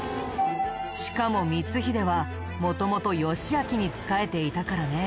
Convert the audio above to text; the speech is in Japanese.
しかも光秀は元々義昭に仕えていたからね。